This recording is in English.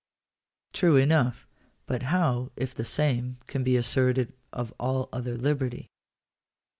True enough; but how if the same can be asserted of all other liberty